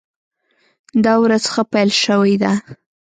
دا ورځ ښه پیل شوې ده.